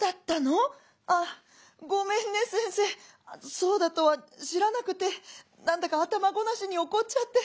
そうだとは知らなくて何だか頭ごなしに怒っちゃって。